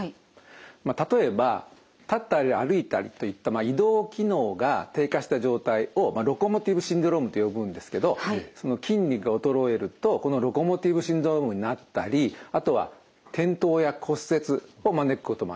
まあ例えば立ったり歩いたりといった移動機能が低下した状態をロコモティブシンドロームと呼ぶんですけど筋肉が衰えるとこのロコモティブシンドロームになったりあとは転倒や骨折を招くこともあります。